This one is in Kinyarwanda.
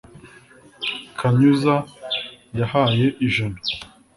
Kanyuza* yahaye ijana